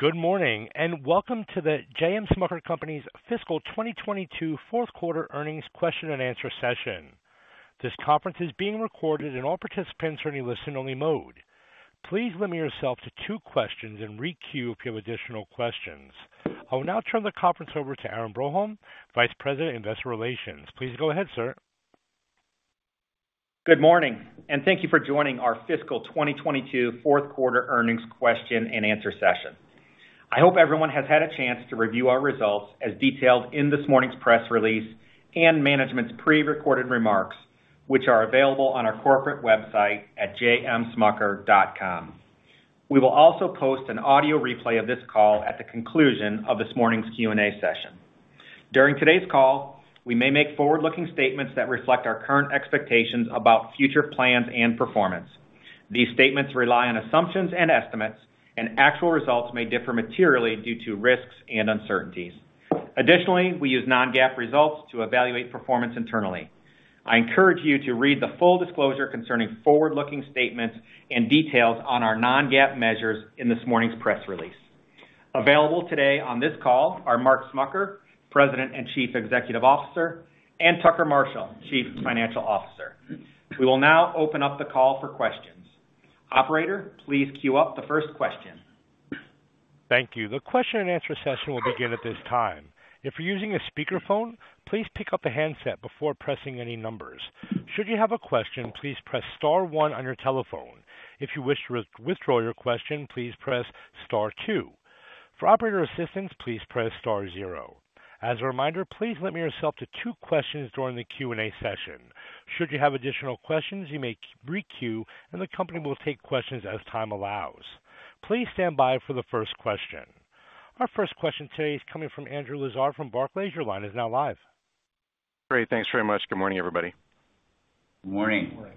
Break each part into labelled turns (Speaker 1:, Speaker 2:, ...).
Speaker 1: Good morning, welcome to The J. M. Smucker Company's Fiscal 2022 Fourth Quarter Earnings Question and Answer Session. This conference is being recorded and all participants are in a listen-only mode. Please limit yourself to two questions and re-queue if you have additional questions. I will now turn the conference over to Aaron Broholm, Vice President of Investor Relations. Please go ahead, sir.
Speaker 2: Good morning, and thank you for joining our Fiscal 2022 Fourth Quarter Earnings Question and Answer Session. I hope everyone has had a chance to review our results as detailed in this morning's press release and management's prerecorded remarks, which are available on our corporate website at jmsmucker.com. We will also post an audio replay of this call at the conclusion of this morning's Q&A session. During today's call, we may make forward-looking statements that reflect our current expectations about future plans and performance. These statements rely on assumptions and estimates, and actual results may differ materially due to risks and uncertainties. Additionally, we use non-GAAP results to evaluate performance internally. I encourage you to read the full disclosure concerning forward-looking statements and details on our non-GAAP measures in this morning's press release. Available today on this call are Mark Smucker, President and Chief Executive Officer, and Tucker Marshall, Chief Financial Officer. We will now open up the call for questions. Operator, please queue up the first question.
Speaker 1: Thank you. The question and answer session will begin at this time. If you're using a speakerphone, please pick up a handset before pressing any numbers. Should you have a question, please press star one on your telephone. If you wish to re-withdraw your question, please press star two. For operator assistance, please press star zero. As a reminder, please limit yourself to two questions during the Q&A session. Should you have additional questions, you may re-queue and the company will take questions as time allows. Please stand by for the first question. Our first question today is coming from Andrew Lazar from Barclays. Your line is now live.
Speaker 3: Great. Thanks very much. Good morning, everybody.
Speaker 4: Good morning.
Speaker 5: Good morning.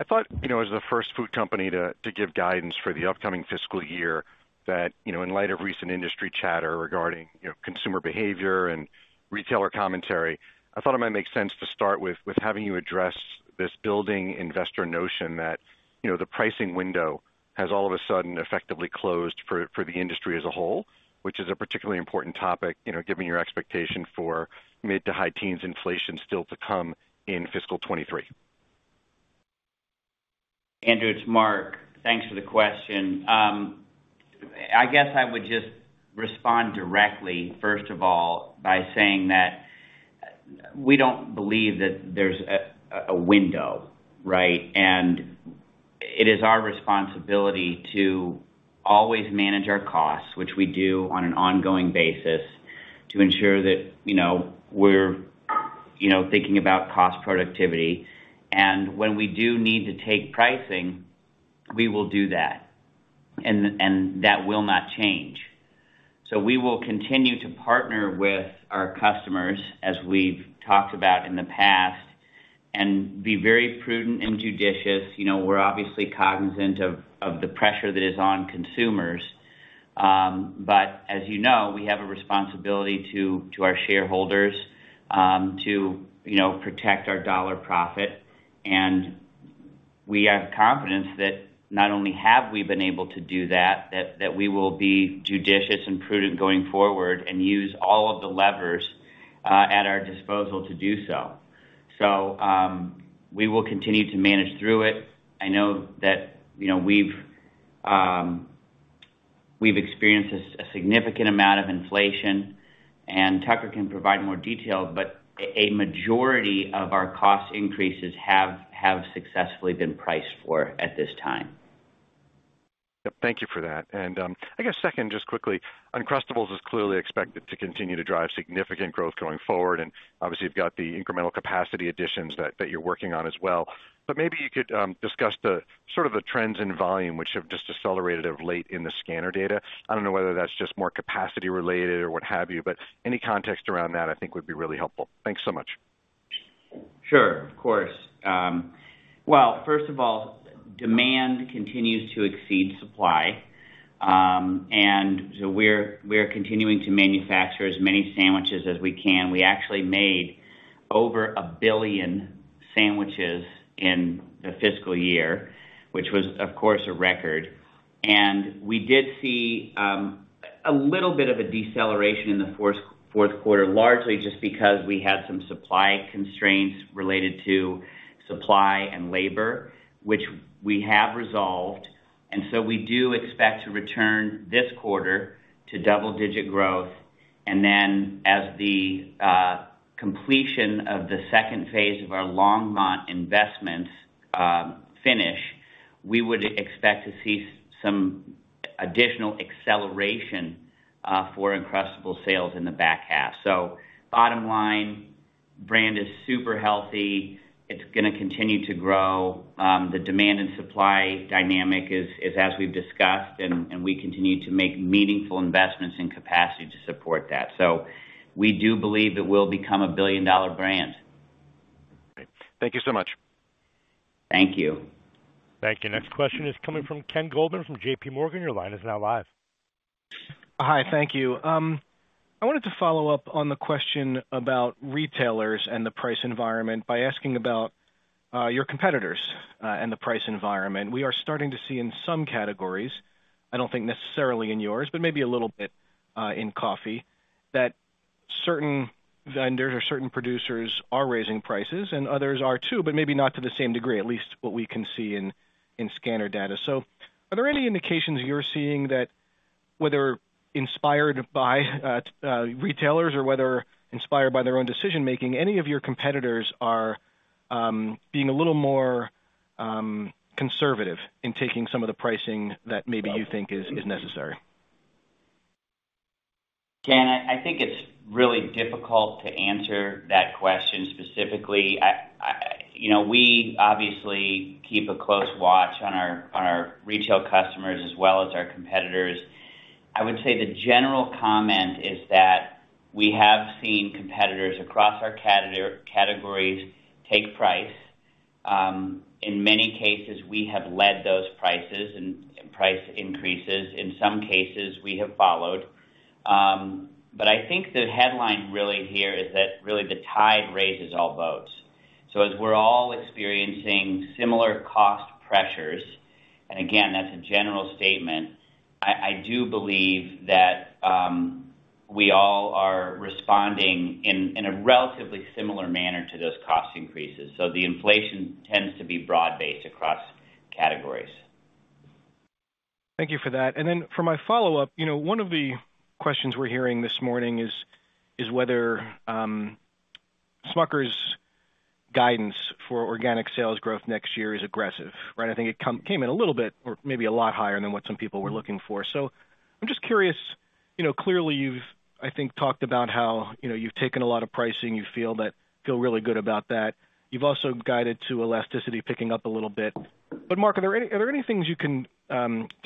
Speaker 3: I thought, you know, as the first food company to give guidance for the upcoming fiscal year that, you know, in light of recent industry chatter regarding, you know, consumer behavior and retailer commentary, I thought it might make sense to start with having you address this building investor notion that, you know, the pricing window has all of a sudden effectively closed for the industry as a whole, which is a particularly important topic, you know, given your expectation for mid- to high-teens inflation still to come in fiscal 2023.
Speaker 4: Andrew, it's Mark. Thanks for the question. I guess I would just respond directly, first of all, by saying that we don't believe that there's a window, right? It is our responsibility to always manage our costs, which we do on an ongoing basis to ensure that you know we're you know thinking about cost productivity. When we do need to take pricing, we will do that. That will not change. We will continue to partner with our customers as we've talked about in the past and be very prudent and judicious. You know, we're obviously cognizant of the pressure that is on consumers. But as you know, we have a responsibility to our shareholders to you know protect our dollar profit. We have confidence that not only have we been able to do that we will be judicious and prudent going forward and use all of the levers at our disposal to do so. We will continue to manage through it. I know that, you know, we've experienced a significant amount of inflation, and Tucker can provide more detail, but a majority of our cost increases have successfully been priced for at this time.
Speaker 3: Yep. Thank you for that. I guess second, just quickly, Uncrustables is clearly expected to continue to drive significant growth going forward. Obviously you've got the incremental capacity additions that you're working on as well. Maybe you could discuss the sort of the trends in volume which have just accelerated of late in the scanner data. I don't know whether that's just more capacity related or what have you, but any context around that I think would be really helpful. Thanks so much.
Speaker 4: Sure. Of course. Well, first of all, demand continues to exceed supply. We're continuing to manufacture as many sandwiches as we can. We actually made over 1 billion sandwiches in the fiscal year, which was of course a record. We did see a little bit of a deceleration in the fourth quarter, largely just because we had some supply constraints related to supply and labor, which we have resolved. We do expect to return this quarter to double digit growth. Then as the completion of the second phase of our Longmont investments finish, we would expect to see some additional acceleration for Uncrustables sales in the back half. Bottom line, brand is super healthy. It's gonna continue to grow. The demand and supply dynamic is as we've discussed and we continue to make meaningful investments in capacity to support that. We do believe it will become a billion-dollar brand.
Speaker 3: Great. Thank you so much.
Speaker 4: Thank you.
Speaker 1: Thank you. Next question is coming from Ken Goldman from JPMorgan. Your line is now live.
Speaker 6: Hi, thank you. I wanted to follow up on the question about retailers and the price environment by asking about your competitors and the price environment. We are starting to see in some categories, I don't think necessarily in yours, but maybe a little bit in coffee, that certain vendors or certain producers are raising prices and others are too, but maybe not to the same degree, at least what we can see in scanner data. Are there any indications you're seeing that whether inspired by retailers or whether inspired by their own decision-making, any of your competitors are being a little more conservative in taking some of the pricing that maybe you think is necessary?
Speaker 4: Ken, I think it's really difficult to answer that question specifically. You know, we obviously keep a close watch on our retail customers as well as our competitors. I would say the general comment is that we have seen competitors across our categories take price. In many cases, we have led those prices and price increases. In some cases, we have followed. I think the headline really here is that really the tide raises all boats. We're all experiencing similar cost pressures, and again, that's a general statement. I do believe that we all are responding in a relatively similar manner to those cost increases. The inflation tends to be broad-based across categories.
Speaker 6: Thank you for that. Then for my follow-up, you know, one of the questions we're hearing this morning is whether Smucker's guidance for organic sales growth next year is aggressive, right? I think it came in a little bit or maybe a lot higher than what some people were looking for. I'm just curious, you know, clearly you've, I think, talked about how, you know, you've taken a lot of pricing, you feel really good about that. You've also guided to elasticity picking up a little bit. Mark, are there any things you can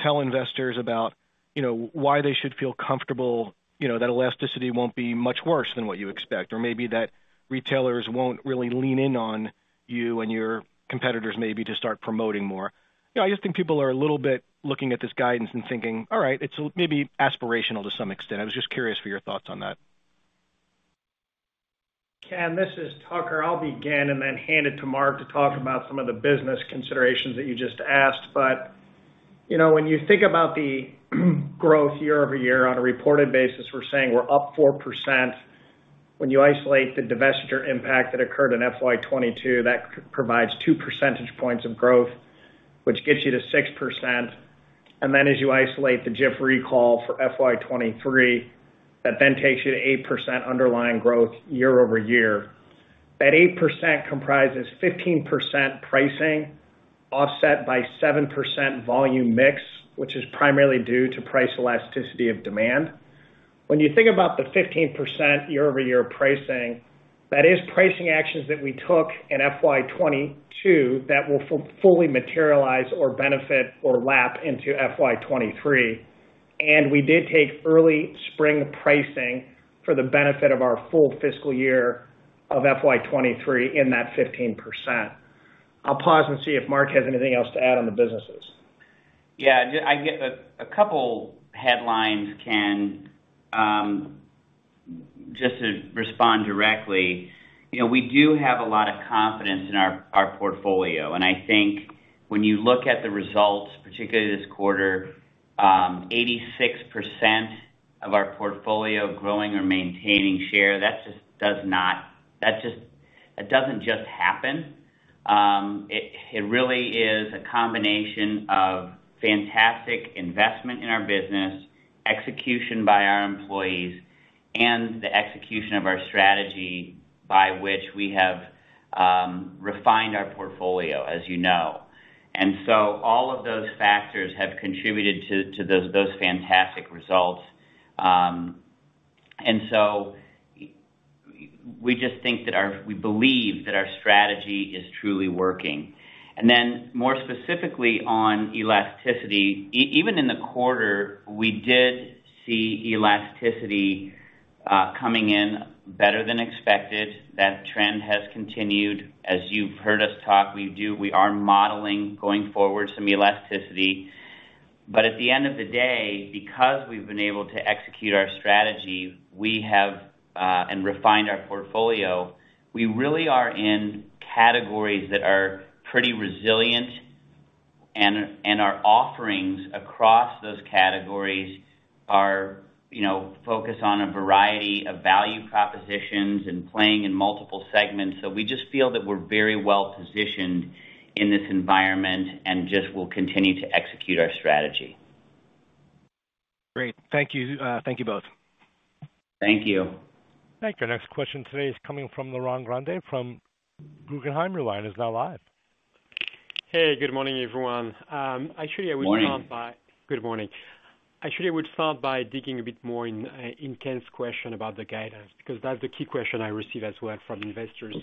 Speaker 6: tell investors about, you know, why they should feel comfortable, you know, that elasticity won't be much worse than what you expect, or maybe that retailers won't really lean in on you and your competitors, maybe to start promoting more? You know, I just think people are a little bit looking at this guidance and thinking, all right, it's maybe aspirational to some extent. I was just curious for your thoughts on that.
Speaker 5: Ken, this is Tucker. I'll begin and then hand it to Mark to talk about some of the business considerations that you just asked. You know, when you think about the growth year-over-year on a reported basis, we're saying we're up 4%. When you isolate the divestiture impact that occurred in FY 2022, that provides 2 percentage points of growth, which gets you to 6%. As you isolate the Jif recall for FY 2023, that then takes you to 8% underlying growth year-over-year. That 8% comprises 15% pricing offset by 7% volume mix, which is primarily due to price elasticity of demand. When you think about the 15% year-over-year pricing, that is pricing actions that we took in FY 2022 that will fully materialize or benefit or lap into FY 2023. We did take early spring pricing for the benefit of our full fiscal year of FY 2023 in that 15%. I'll pause and see if Mark has anything else to add on the businesses.
Speaker 4: Yeah, a couple headlines, Ken, just to respond directly. You know, we do have a lot of confidence in our portfolio, and I think when you look at the results, particularly this quarter, 86% of our portfolio growing or maintaining share, that doesn't just happen. It really is a combination of fantastic investment in our business, execution by our employees, and the execution of our strategy by which we have refined our portfolio, as you know. All of those factors have contributed to those fantastic results. We just think that we believe that our strategy is truly working. Then more specifically on elasticity, even in the quarter, we did see elasticity coming in better than expected. That trend has continued. As you've heard us talk, we are modeling going forward, some elasticity. But at the end of the day, because we've been able to execute our strategy, we have and refined our portfolio, we really are in categories that are pretty resilient, and our offerings across those categories are, you know, focused on a variety of value propositions and playing in multiple segments. We just feel that we're very well positioned in this environment and just will continue to execute our strategy.
Speaker 6: Great. Thank you. Thank you both.
Speaker 4: Thank you.
Speaker 1: Thank you. Next question today is coming from Laurent Grandet from Guggenheim. Line is now live.
Speaker 7: Hey, good morning, everyone. Actually, I would start by-
Speaker 4: Morning.
Speaker 7: Good morning. Actually, I would start by digging a bit more into an intense question about the guidance, because that's the key question I receive as well from investors.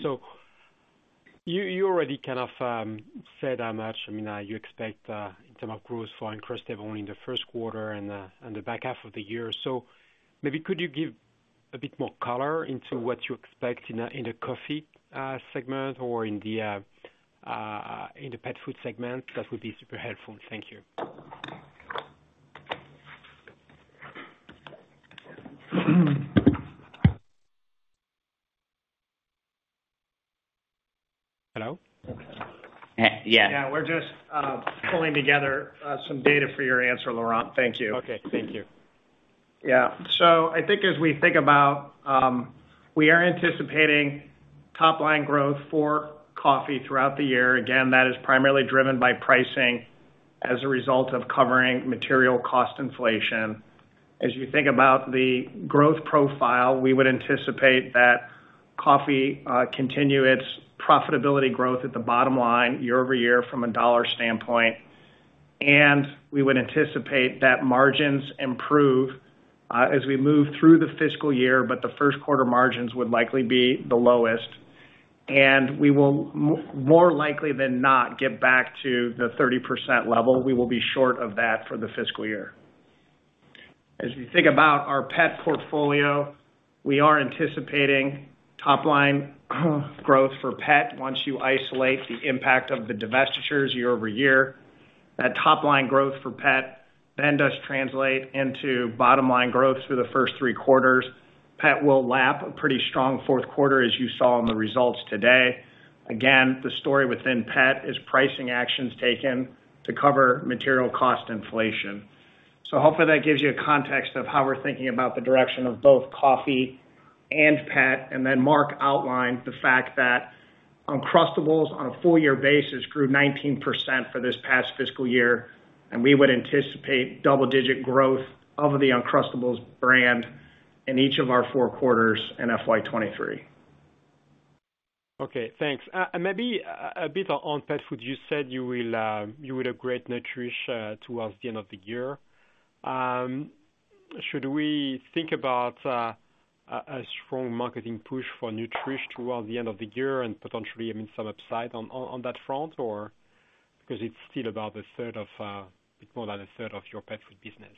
Speaker 7: You already kind of said how much, I mean, you expect in terms of growth for increased revenue in the first quarter and the back half of the year. Maybe could you give a bit more color into what you expect in the coffee segment or in the pet food segment. That would be super helpful. Thank you.
Speaker 5: Hello?
Speaker 4: Yeah.
Speaker 5: Yeah. We're just pulling together some data for your answer, Laurent. Thank you.
Speaker 7: Okay. Thank you.
Speaker 5: I think as we think about, we are anticipating top line growth for coffee throughout the year. Again, that is primarily driven by pricing as a result of covering material cost inflation. As you think about the growth profile, we would anticipate that coffee continue its profitability growth at the bottom line year-over-year from a dollar standpoint. We would anticipate that margins improve as we move through the fiscal year, but the first quarter margins would likely be the lowest. We will more likely than not get back to the 30% level. We will be short of that for the fiscal year. As we think about our pet portfolio, we are anticipating top line growth for pet once you isolate the impact of the divestitures year-over-year. That top line growth for Pet then does translate into bottom line growth through the first three quarters. Pet will lap a pretty strong fourth quarter, as you saw in the results today. Again, the story within Pet is pricing actions taken to cover material cost inflation. Hopefully that gives you a context of how we're thinking about the direction of both Coffee and Pet. Mark outlined the fact that Uncrustables on a full year basis grew 19% for this past fiscal year, and we would anticipate double-digit growth of the Uncrustables brand in each of our four quarters in FY23.
Speaker 7: Okay, thanks. Maybe a bit on pet food. You said you would upgrade Nutrish towards the end of the year. Should we think about a strong marketing push for Nutrish towards the end of the year and potentially even some upside on that front or? Because it's still about a third of, more than a third of your pet food business.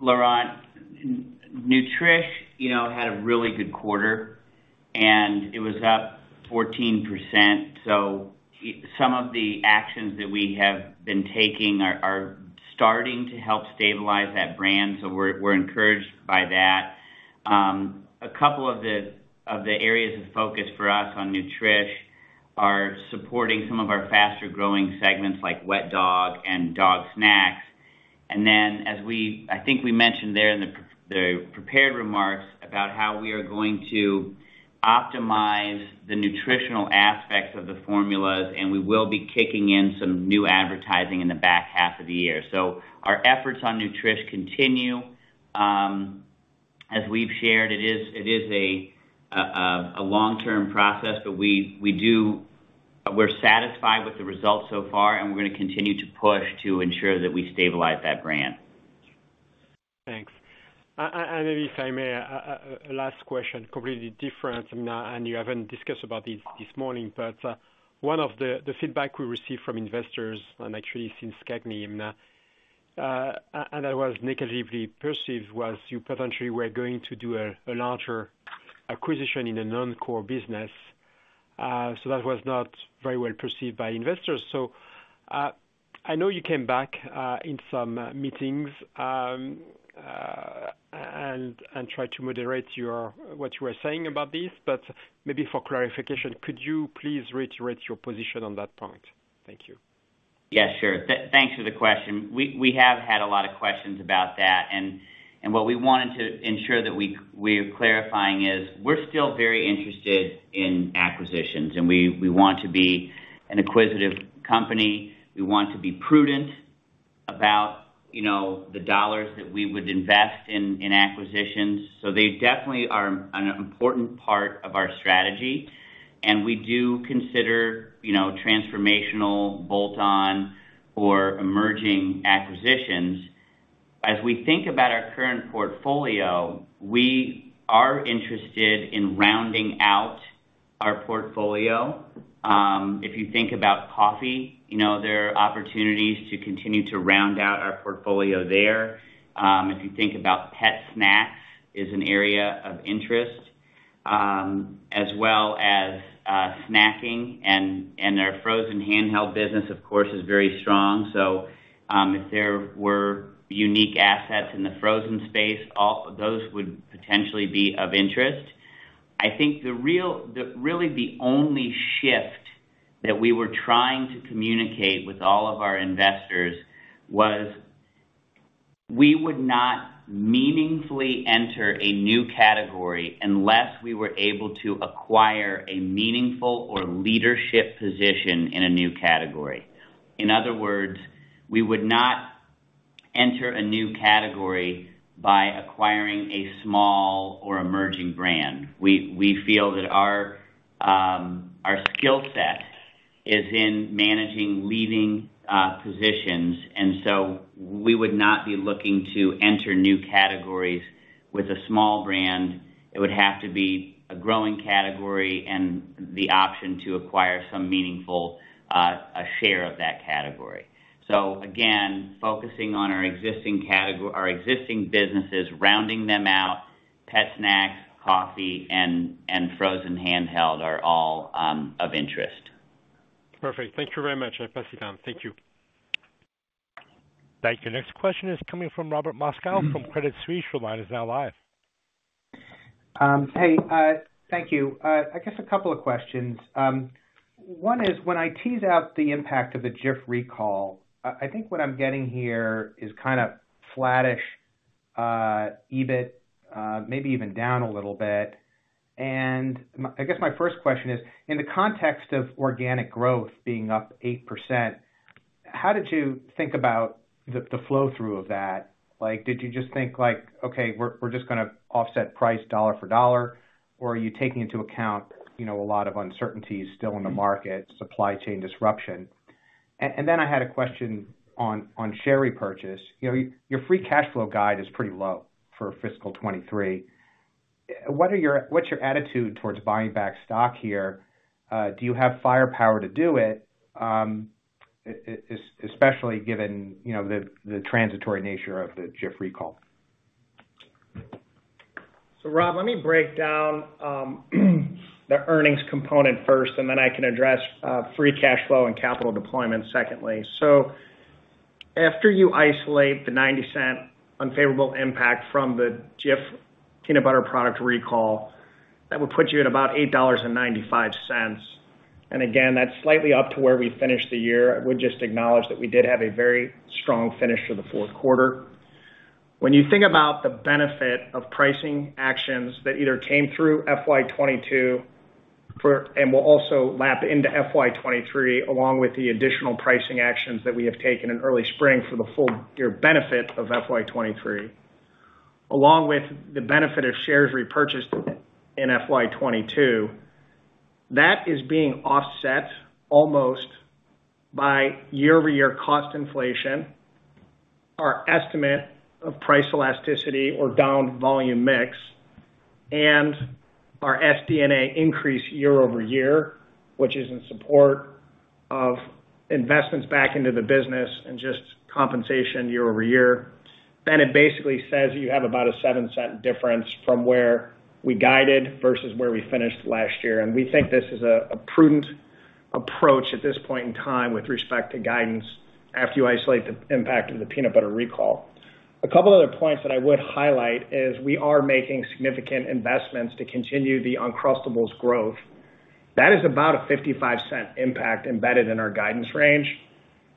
Speaker 4: Laurent, Nutrish, you know, had a really good quarter and it was up 14%. Some of the actions that we have been taking are starting to help stabilize that brand. We're encouraged by that. A couple of the areas of focus for us on Nutrish are supporting some of our faster-growing segments like wet dog and dog snacks. Then I think we mentioned there in the prepared remarks about how we are going to optimize the nutritional aspects of the formulas, and we will be kicking in some new advertising in the back half of the year. Our efforts on Nutrish continue. As we've shared, it is a long-term process, but we're satisfied with the results so far, and we're gonna continue to push to ensure that we stabilize that brand.
Speaker 7: Thanks. If I may, one last question, completely different, and you haven't discussed about this this morning. One of the feedback we received from investors, and actually since CAGNY, and that was negatively perceived was you potentially were going to do a larger acquisition in a non-core business. That was not very well perceived by investors. I know you came back in some meetings, and tried to moderate what you were saying about this, but maybe for clarification, could you please reiterate your position on that point? Thank you.
Speaker 4: Yeah, sure. Thanks for the question. We have had a lot of questions about that. What we wanted to ensure that we're clarifying is we're still very interested in acquisitions, and we want to be an acquisitive company. We want to be prudent about, you know, the dollars that we would invest in acquisitions. They definitely are an important part of our strategy, and we do consider, you know, transformational, bolt-on or emerging acquisitions. As we think about our current portfolio, we are interested in rounding out our portfolio. If you think about coffee, you know, there are opportunities to continue to round out our portfolio there. If you think about pet snacks, is an area of interest, as well as snacking and our frozen handheld business, of course, is very strong. If there were unique assets in the frozen space, those would potentially be of interest. I think the really only shift that we were trying to communicate with all of our investors was we would not meaningfully enter a new category unless we were able to acquire a meaningful or leadership position in a new category. In other words, we would not enter a new category by acquiring a small or emerging brand. We feel that our skill set is in managing leading positions, and so we would not be looking to enter new categories with a small brand.
Speaker 5: It would have to be a growing category and the option to acquire some meaningful share of that category. Again, focusing on our existing businesses, rounding them out, pet snacks, coffee, and frozen handheld are all of interest.
Speaker 7: Perfect. Thank you very much. I pass it on. Thank you.
Speaker 1: Thank you. Next question is coming from Robert Moskow from Credit Suisse. Your line is now live.
Speaker 8: Hey, thank you. I guess a couple of questions. One is when I tease out the impact of the Jif recall, I think what I'm getting here is kinda flattish EBIT, maybe even down a little bit. I guess my first question is, in the context of organic growth being up 8%, how did you think about the flow through of that? Like, did you just think like, "Okay, we're just gonna offset price dollar for dollar," or are you taking into account, you know, a lot of uncertainties still in the market, supply chain disruption? Then I had a question on share repurchase. You know, your free cash flow guide is pretty low for fiscal 2023. What's your attitude towards buying back stock here? Do you have firepower to do it, especially given, you know, the transitory nature of the Jif recall?
Speaker 5: Rob, let me break down the earnings component first, and then I can address free cash flow and capital deployment secondly. After you isolate the $0.90 unfavorable impact from the Jif peanut butter product recall, that would put you at about $8.95. Again, that's slightly up to where we finished the year. I would just acknowledge that we did have a very strong finish to the fourth quarter. When you think about the benefit of pricing actions that either came through FY 2022 and will also lap into FY 2023, along with the additional pricing actions that we have taken in early spring for the full year benefit of FY 2023, along with the benefit of shares repurchased in FY 2022, that is being offset almost by year-over-year cost inflation. Our estimate of price elasticity and down volume mix and our SG&A increase year-over-year, which is in support of investments back into the business and just compensation year-over-year. It basically says that you have about a $0.07 difference from where we guided versus where we finished last year. We think this is a prudent approach at this point in time with respect to guidance after you isolate the impact of the peanut butter recall. A couple other points that I would highlight is we are making significant investments to continue the Uncrustables growth. That is about a $0.55 impact embedded in our guidance range.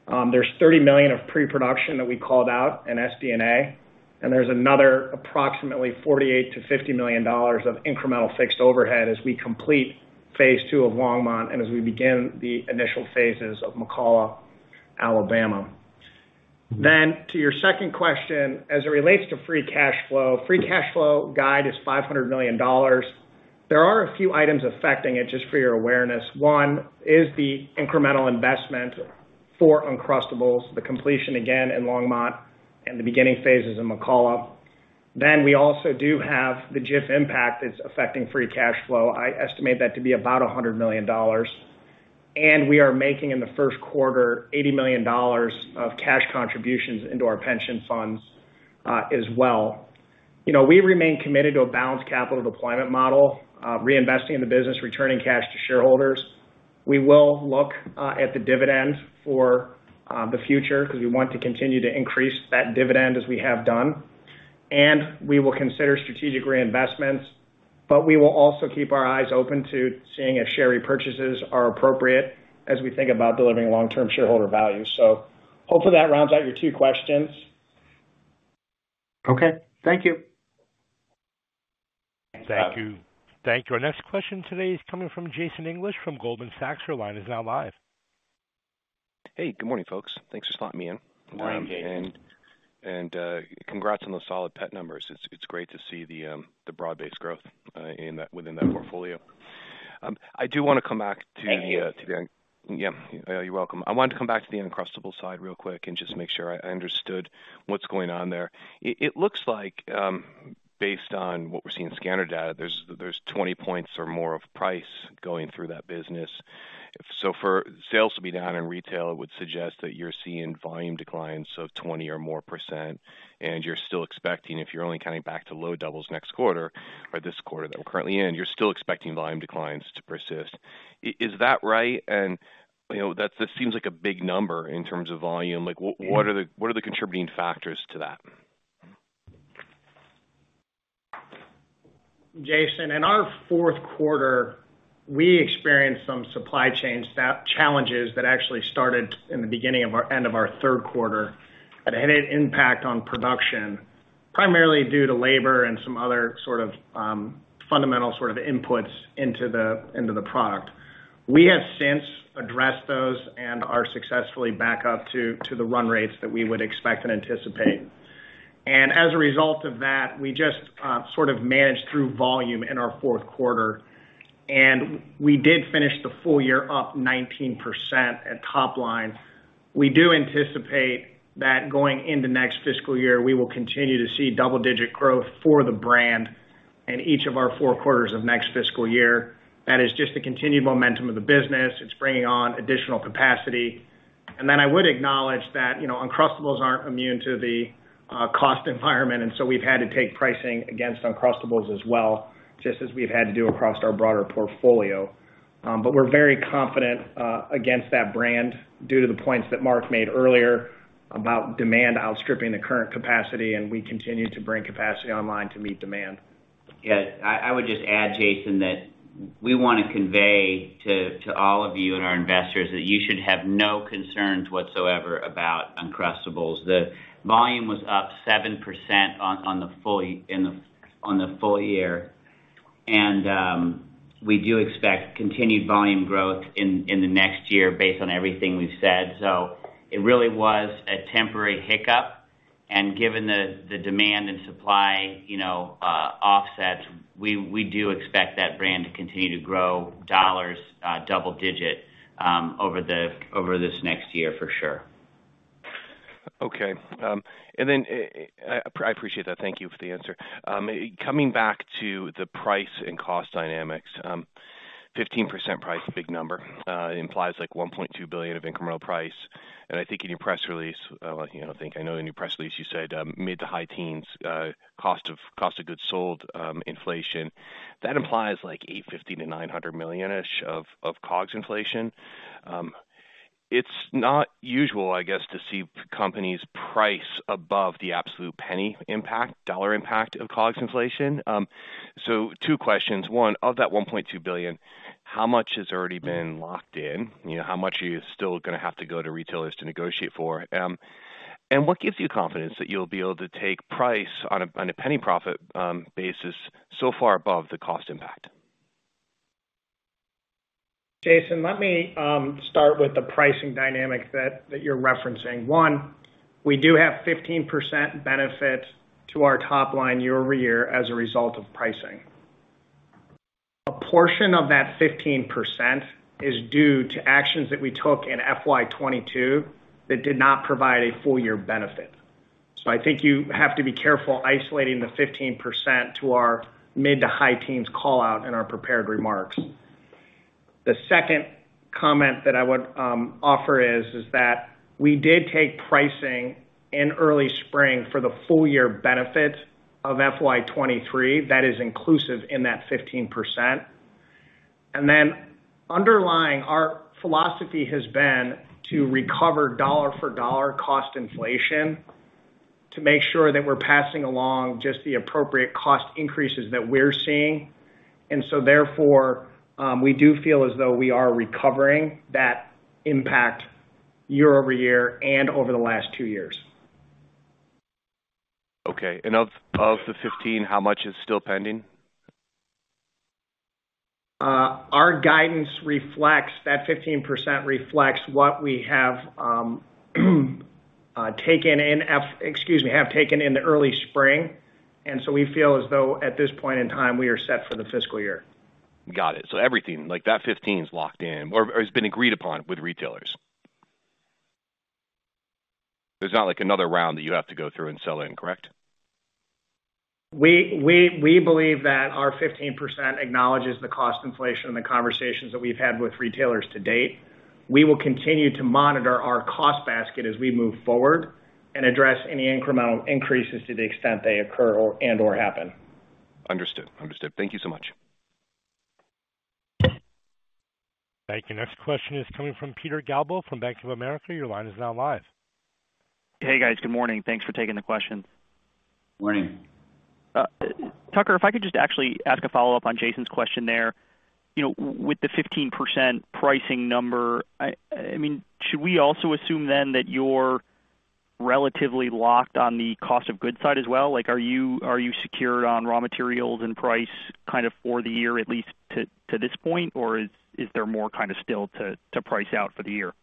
Speaker 5: There's $30 million of pre-production that we called out in SG&A, and there's another approximately $48 million-$50 million of incremental fixed overhead as we complete phase two of Longmont and as we begin the initial phases of McCalla, Alabama. To your second question, as it relates to free cash flow. Free cash flow guide is $500 million. There are a few items affecting it, just for your awareness. One is the incremental investment for Uncrustables, the completion again in Longmont and the beginning phases in McCalla. We also do have the Jif impact that's affecting free cash flow. I estimate that to be about $100 million. We are making in the first quarter $80 million of cash contributions into our pension funds, as well. You know, we remain committed to a balanced capital deployment model, reinvesting in the business, returning cash to shareholders. We will look at the dividend for the future because we want to continue to increase that dividend as we have done, and we will consider strategic reinvestments, but we will also keep our eyes open to seeing if share repurchases are appropriate as we think about delivering long-term shareholder value. Hopefully that rounds out your two questions.
Speaker 8: Okay, thank you.
Speaker 5: Thank you.
Speaker 1: Thank you. Thank you. Our next question today is coming from Jason English from Goldman Sachs. Your line is now live.
Speaker 9: Hey, good morning, folks. Thanks for slotting me in.
Speaker 5: Morning, Jason.
Speaker 9: Congrats on those solid pet numbers. It's great to see the broad-based growth within that portfolio. I do wanna come back to the-
Speaker 5: Thank you.
Speaker 9: Yeah. You're welcome. I wanted to come back to the Uncrustables side real quick and just make sure I understood what's going on there. It looks like, based on what we're seeing in scanner data, there's 20 points or more of price going through that business. So for sales to be down in retail, it would suggest that you're seeing volume declines of 20% or more, and you're still expecting if you're only coming back to low doubles next quarter or this quarter that we're currently in, you're still expecting volume declines to persist. Is that right? You know, that this seems like a big number in terms of volume. Like what are the contributing factors to that?
Speaker 5: Jason, in our fourth quarter, we experienced some supply chain challenges that actually started in the end of our third quarter that had an impact on production, primarily due to labor and some other sort of fundamental inputs into the product. We have since addressed those and are successfully back up to the run rates that we would expect and anticipate. As a result of that, we just sort of managed through volume in our fourth quarter, and we did finish the full year up 19% at top line. We do anticipate that going into next fiscal year, we will continue to see double-digit growth for the brand in each of our four quarters of next fiscal year. That is just the continued momentum of the business. It's bringing on additional capacity. I would acknowledge that, you know, Uncrustables aren't immune to the cost environment, and so we've had to take pricing against Uncrustables as well, just as we've had to do across our broader portfolio. But we're very confident against that brand due to the points that Mark made earlier about demand outstripping the current capacity, and we continue to bring capacity online to meet demand.
Speaker 4: Yeah. I would just add, Jason, that we wanna convey to all of you and our investors that you should have no concerns whatsoever about Uncrustables. The volume was up 7% on the full year. We do expect continued volume growth in the next year based on everything we've said. It really was a temporary hiccup. Given the demand and supply, you know, offsets, we do expect that brand to continue to grow dollars double-digit over this next year for sure.
Speaker 9: Okay. I appreciate that. Thank you for the answer. Coming back to the price and cost dynamics. 15% price, big number, implies like $1.2 billion of incremental price. I think in your press release, you know, you said, mid- to high teens cost of goods sold inflation. That implies like $850 million-$900 million-ish of COGS inflation. It's not usual, I guess, to see companies price above the absolute penny impact, dollar impact of COGS inflation. Two questions. One, of that $1.2 billion, how much has already been locked in? You know, how much are you still gonna have to go to retailers to negotiate for? What gives you confidence that you'll be able to take price on a penny profit basis so far above the cost impact?
Speaker 5: Jason, let me start with the pricing dynamic that you're referencing. One, we do have 15% benefit to our top line year-over-year as a result of pricing. A portion of that 15% is due to actions that we took in FY 2022 that did not provide a full year benefit. I think you have to be careful isolating the 15% to our mid- to high-teens call-out in our prepared remarks. The second comment that I would offer is that we did take pricing in early spring for the full year benefit of FY 2023. That is inclusive in that 15%. Underlying, our philosophy has been to recover dollar for dollar cost inflation to make sure that we're passing along just the appropriate cost increases that we're seeing. We do feel as though we are recovering that impact year-over-year and over the last two years.
Speaker 9: Okay. Of the 15, how much is still pending?
Speaker 5: Our guidance reflects that 15% reflects what we have taken in the early spring. We feel as though at this point in time, we are set for the fiscal year.
Speaker 9: Got it. Everything, like that 15 is locked in or has been agreed upon with retailers. There's not like another round that you have to go through and sell in, correct?
Speaker 5: We believe that our 15% acknowledges the cost inflation and the conversations that we've had with retailers to date. We will continue to monitor our cost basket as we move forward and address any incremental increases to the extent they occur or and/or happen.
Speaker 9: Understood. Thank you so much.
Speaker 1: Thank you. Next question is coming from Peter Galbo from Bank of America. Your line is now live.
Speaker 10: Hey, guys. Good morning. Thanks for taking the questions.
Speaker 4: Morning.
Speaker 10: Tucker, if I could just actually ask a follow-up on Jason's question there. You know, with the 15% pricing number, I mean, should we also assume then that you're relatively locked on the cost of goods side as well? Like, are you secured on raw materials and price kind of for the year at least to this point, or is there more kind of still to price out for the year?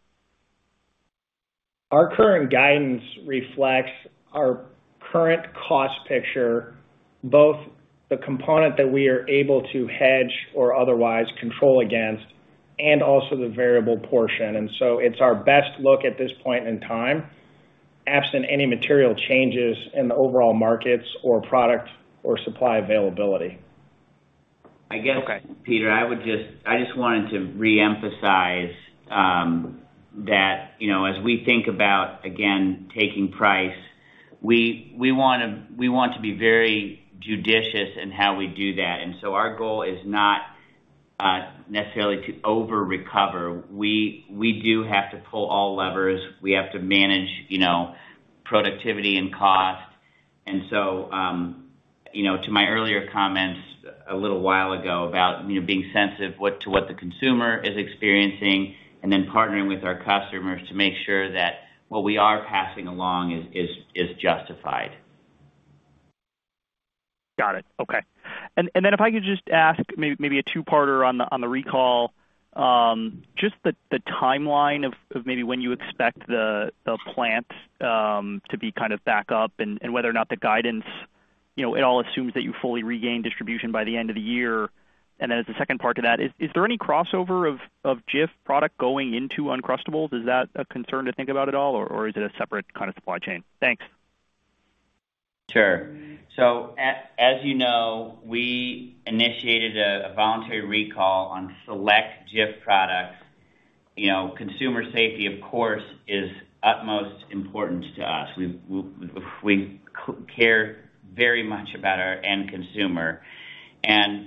Speaker 5: Our current guidance reflects our current cost picture, both the component that we are able to hedge or otherwise control against and also the variable portion. It's our best look at this point in time, absent any material changes in the overall markets or product or supply availability.
Speaker 10: Okay.
Speaker 4: I guess, Peter, I just wanted to reemphasize that, you know, as we think about, again, taking price, we want to be very judicious in how we do that. Our goal is not necessarily to over-recover. We do have to pull all levers. We have to manage, you know, productivity and cost. You know, to my earlier comments a little while ago about, you know, being sensitive to what the consumer is experiencing and then partnering with our customers to make sure that what we are passing along is justified.
Speaker 10: Got it. Okay. If I could just ask maybe a two-parter on the recall. Just the timeline of maybe when you expect the plant to be kind of back up and whether or not the guidance You know, it all assumes that you fully regain distribution by the end of the year. As the second part to that, is there any crossover of Jif product going into Uncrustables? Is that a concern to think about at all or is it a separate kind of supply chain? Thanks.
Speaker 4: Sure. As you know, we initiated a voluntary recall on select Jif products. You know, consumer safety, of course, is utmost important to us. We care very much about our end consumer.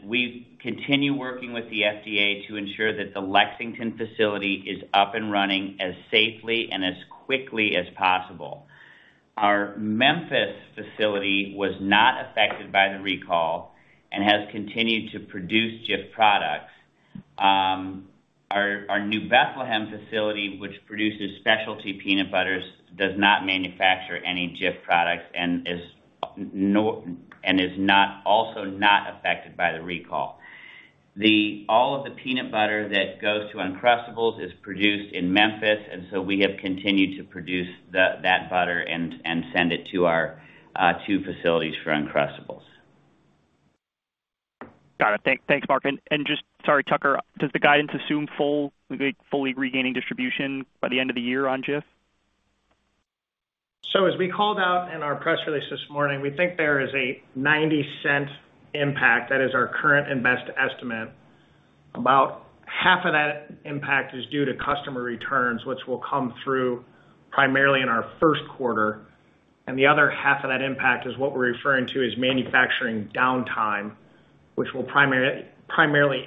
Speaker 4: We continue working with the FDA to ensure that the Lexington facility is up and running as safely and as quickly as possible. Our Memphis facility was not affected by the recall and has continued to produce Jif products. Our New Bethlehem facility, which produces specialty peanut butters, does not manufacture any Jif products and is also not affected by the recall. All of the peanut butter that goes to Uncrustables is produced in Memphis, and so we have continued to produce that butter and send it to our two facilities for Uncrustables.
Speaker 10: Got it. Thanks, Mark. Sorry, Tucker, does the guidance assume full, like fully regaining distribution by the end of the year on Jif?
Speaker 5: As we called out in our press release this morning, we think there is a $0.90 impact. That is our current and best estimate. About half of that impact is due to customer returns, which will come through primarily in our first quarter. The other half of that impact is what we're referring to as manufacturing downtime, which will primarily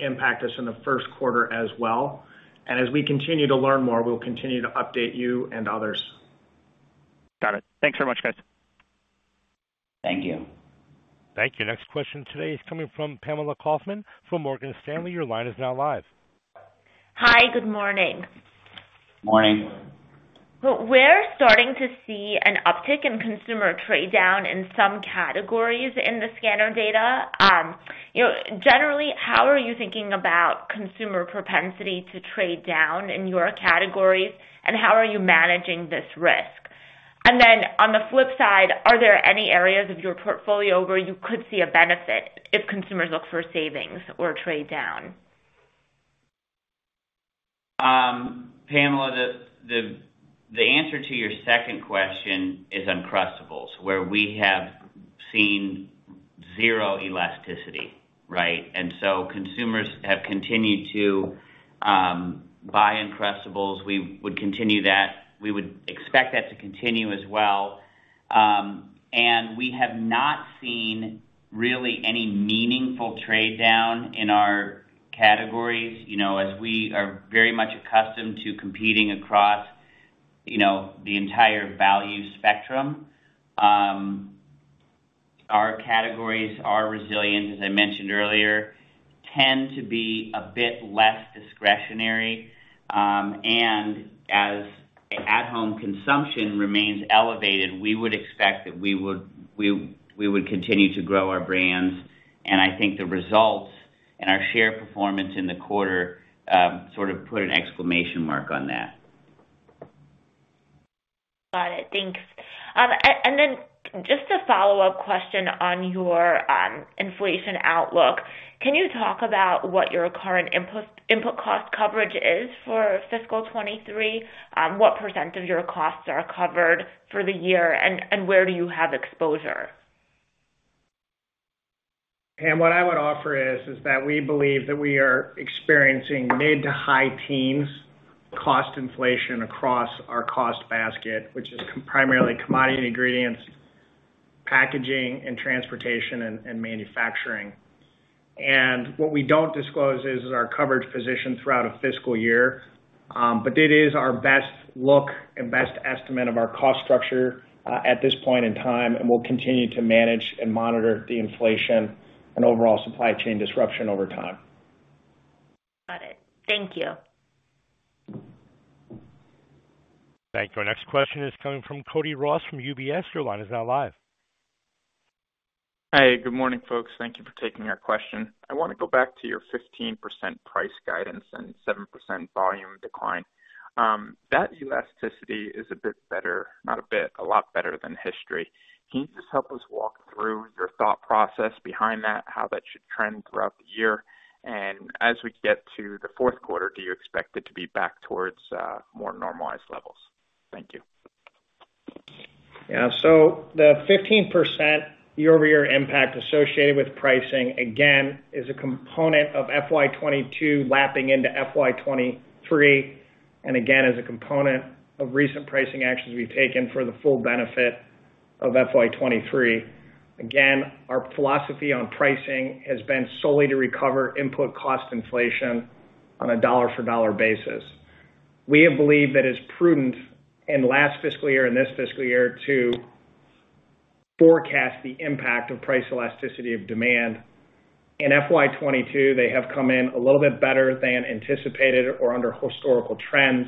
Speaker 5: impact us in the first quarter as well. As we continue to learn more, we'll continue to update you and others.
Speaker 10: Got it. Thanks so much, guys.
Speaker 4: Thank you.
Speaker 1: Thank you. Next question today is coming from Pamela Kaufman from Morgan Stanley. Your line is now live.
Speaker 11: Hi. Good morning.
Speaker 4: Morning.
Speaker 11: We're starting to see an uptick in consumer trade down in some categories in the scanner data. You know, generally, how are you thinking about consumer propensity to trade down in your categories, and how are you managing this risk? On the flip side, are there any areas of your portfolio where you could see a benefit if consumers look for savings or trade down?
Speaker 4: Pamela, the answer to your second question is Uncrustables, where we have seen zero elasticity, right? Consumers have continued to buy Uncrustables. We would continue that. We would expect that to continue as well. We have not seen really any meaningful trade down in our categories. You know, as we are very much accustomed to competing across, you know, the entire value spectrum, our categories are resilient, as I mentioned earlier, tend to be a bit less discretionary, and as at home consumption remains elevated, we would expect that we would continue to grow our brands. I think the results and our share performance in the quarter sort of put an exclamation mark on that.
Speaker 11: Got it. Thanks. Then just a follow-up question on your inflation outlook. Can you talk about what your current input cost coverage is for fiscal 2023? What % of your costs are covered for the year, and where do you have exposure?
Speaker 5: Pam, what I would offer is that we believe that we are experiencing mid- to high-teens% cost inflation across our cost basket, which is primarily commodity ingredients, packaging and transportation and manufacturing. What we don't disclose is our coverage position throughout a fiscal year, but it is our best look and best estimate of our cost structure at this point in time, and we'll continue to manage and monitor the inflation and overall supply chain disruption over time.
Speaker 11: Got it. Thank you.
Speaker 1: Thank you. Our next question is coming from Cody Ross from UBS. Your line is now live.
Speaker 12: Hey, good morning, folks. Thank you for taking our question. I wanna go back to your 15% price guidance and 7% volume decline. That elasticity is a bit better, not a bit, a lot better than history. Can you just help us walk through your thought process behind that, how that should trend throughout the year? As we get to the fourth quarter, do you expect it to be back towards more normalized levels? Thank you.
Speaker 5: Yeah. The 15% year-over-year impact associated with pricing, again, is a component of FY 2022 lapping into FY 2023, and again, is a component of recent pricing actions we've taken for the full benefit of FY 2023. Again, our philosophy on pricing has been solely to recover input cost inflation on a dollar for dollar basis. We have believed that it's prudent in last fiscal year and this fiscal year to forecast the impact of price elasticity of demand. In FY 2022, they have come in a little bit better than anticipated or under historical trends,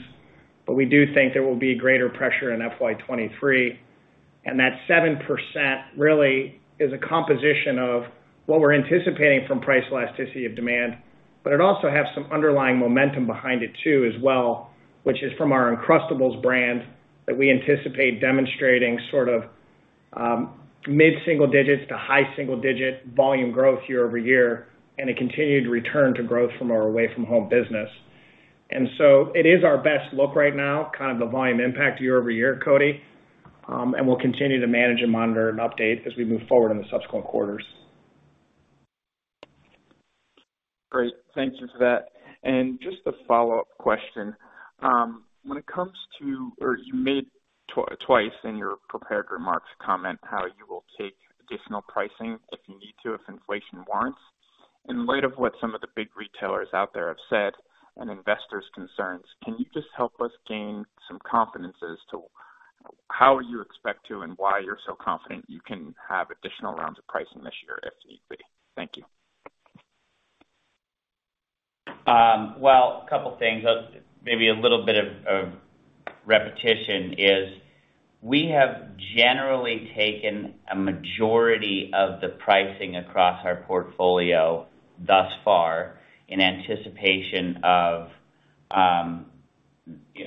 Speaker 5: but we do think there will be greater pressure in FY 2023. That 7% really is a composition of what we're anticipating from price elasticity of demand, but it also has some underlying momentum behind it too as well, which is from our Uncrustables brand. That we anticipate demonstrating sort of, mid-single digits to high single digit volume growth year-over-year, and a continued return to growth from our away from home business. It is our best look right now, kind of the volume impact year-over-year, Cody, and we'll continue to manage and monitor and update as we move forward in the subsequent quarters.
Speaker 12: Great. Thank you for that. Just a follow-up question. You made twice in your prepared remarks comment how you will take additional pricing if you need to, if inflation warrants. In light of what some of the big retailers out there have said, and investors' concerns, can you just help us gain some confidence as to how you expect to and why you're so confident you can have additional rounds of pricing this year if need be? Thank you.
Speaker 4: Well, a couple things. Maybe a little bit of repetition is we have generally taken a majority of the pricing across our portfolio thus far in anticipation of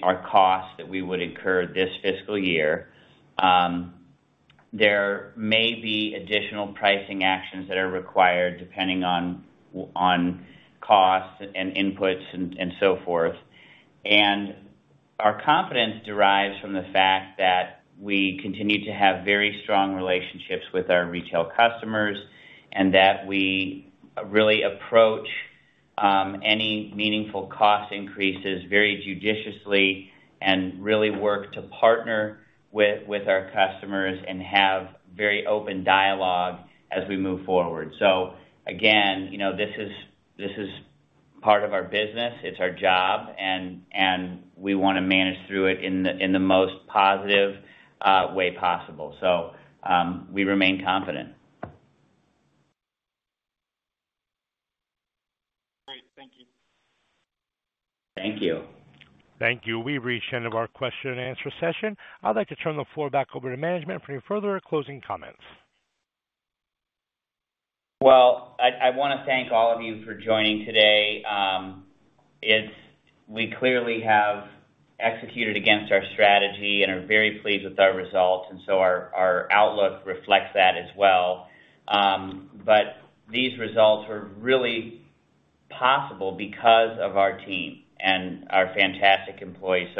Speaker 4: our costs that we would incur this fiscal year. There may be additional pricing actions that are required depending on costs and inputs and so forth. Our confidence derives from the fact that we continue to have very strong relationships with our retail customers, and that we really approach any meaningful cost increases very judiciously and really work to partner with our customers and have very open dialogue as we move forward. Again, you know, this is part of our business, it's our job and we wanna manage through it in the most positive way possible. We remain confident.
Speaker 12: Great. Thank you.
Speaker 4: Thank you.
Speaker 1: Thank you. We've reached the end of our question and answer session. I'd like to turn the floor back over to management for any further closing comments.
Speaker 4: Well, I wanna thank all of you for joining today. We clearly have executed against our strategy and are very pleased with our results, and our outlook reflects that as well. These results are really possible because of our team and our fantastic employees.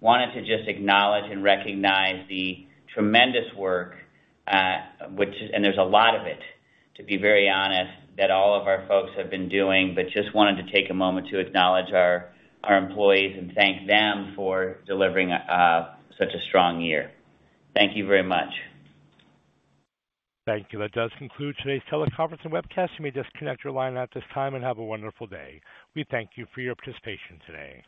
Speaker 4: Wanted to just acknowledge and recognize the tremendous work, and there's a lot of it, to be very honest, that all of our folks have been doing, but just wanted to take a moment to acknowledge our employees and thank them for delivering such a strong year. Thank you very much.
Speaker 1: Thank you. That does conclude today's teleconference and webcast. You may disconnect your line at this time and have a wonderful day. We thank you for your participation today.